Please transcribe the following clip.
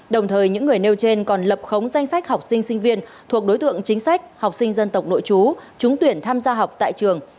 đồng thời những người nêu trên còn lập khống danh sách học sinh sinh viên thuộc đối tượng chính sách học sinh dân tộc nội chú trúng tuyển tham gia học tại trường